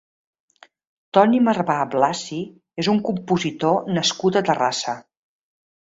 Toni Marbà Blasi és un compositor nascut a Terrassa.